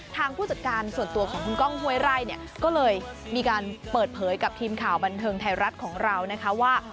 ผู้จัดการส่วนตัวของคุณก้องห้วยไร่เนี่ยก็เลยมีการเปิดเผยกับทีมข่าวบันเทิงไทยรัฐของเรานะคะว่า